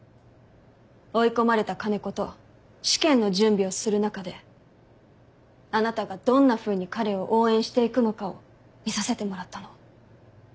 追い込まれた金子と試験の準備をする中であなたがどんなふうに彼を応援していくのかを見させてもらったの。